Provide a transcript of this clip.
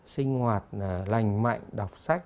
sinh hoạt lành mạnh đọc sách